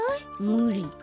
むり。